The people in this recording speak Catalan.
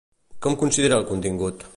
Com considera el contingut?